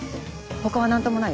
他は何ともない？